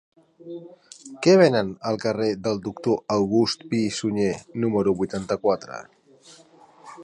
Què venen al carrer del Doctor August Pi i Sunyer número vuitanta-quatre?